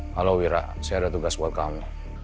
halo wira saya ada tugas buat kamu